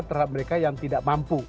terhadap mereka yang tidak mampu